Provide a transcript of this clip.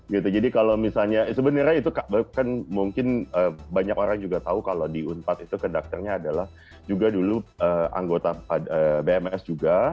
gitu jadi kalau misalnya sebenarnya itu kan mungkin banyak orang juga tahu kalau di unpad itu ke dokternya adalah juga dulu anggota bms juga